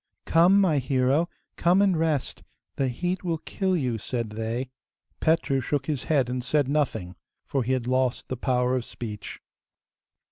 'Come, my hero, come and rest; the heat will kill you,' said they. Petru shook his head and said nothing, for he had lost the power of speech.